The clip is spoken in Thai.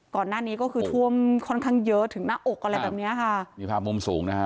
ก่อนหน้านี้ก็คือท่วมค่อนข้างเยอะถึงหน้าอกอะไรแบบเนี้ยค่ะนี่ภาพมุมสูงนะฮะ